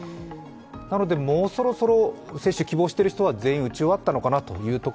なので、もうそろそろ接種を希望している人は全員打ち終わったのかなと。